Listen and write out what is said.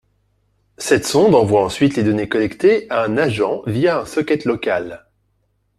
Cette sonde envoie ensuite les données collectées à un agent via un socket local